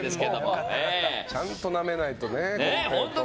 ちゃんとなめないとね。